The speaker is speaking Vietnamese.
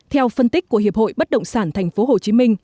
theo phân tích của hiệp hội bất động sản tp hcm